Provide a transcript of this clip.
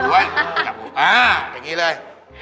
อย่างนี้เลย